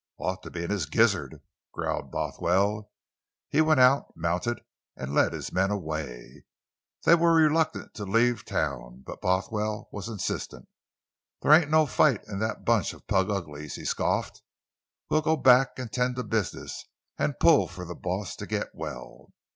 "Ought to be in his gizzard!" growled Bothwell. He went out, mounted, and led his men away. They were reluctant to leave town, but Bothwell was insistent. "They ain't no fight in that bunch of plug uglies!" he scoffed. "We'll go back an' 'tend to business, an' pull for the boss to get well!"